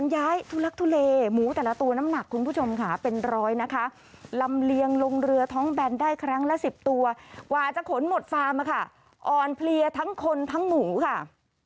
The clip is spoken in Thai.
ดอนเพลียทั้งคนทั้งหมูค่ะ